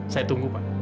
saya tunggu pak